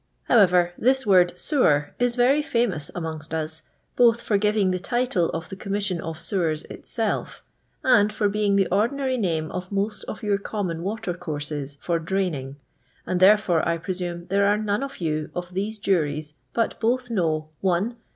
However, this word Sewar is very famous amongst us, both for giving the title of the Commission of Sewars itself, and for being the ordinary name of most of your common water courses, for Drayning, and there fore, I presume, there are none of you of these Juries but both know— «* 1.